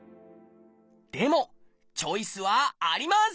でもチョイスはあります！